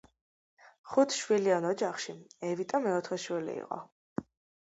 ხუთშვილიან ოჯახში, ევიტა მეოთხე შვილი იყო.